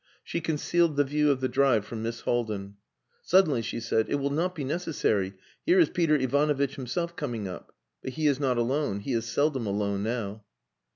She concealed the view of the drive from Miss Haldin. Suddenly she said "It will not be necessary; here is Peter Ivanovitch himself coming up. But he is not alone. He is seldom alone now."